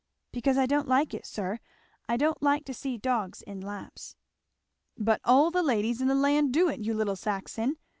"Because I don't like it, sir. I don't like to see dogs in laps." "But all the ladies in the land do it, you little Saxon!